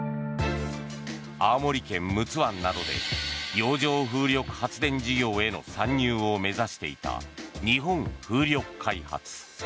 青森県陸奥湾などで洋上風力発電事業への参入を目指していた日本風力開発。